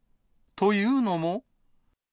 というのも。